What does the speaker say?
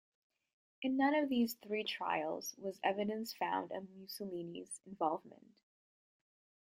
In none of these three trials was evidence found of Mussolini's involvement.